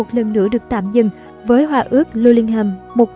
một lần nữa được tạm dừng với hòa ước lô linh hầm một nghìn ba trăm tám mươi chín